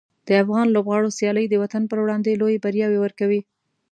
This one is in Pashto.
د افغان لوبغاړو سیالۍ د وطن پر وړاندې لویې بریاوې ورکوي.